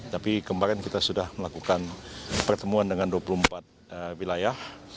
tapi kemarin kita sudah melakukan pertemuan dengan dua puluh empat wilayah